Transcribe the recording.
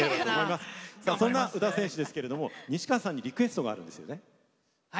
そんな宇田選手ですが西川さんにリクエストがあるそうですね。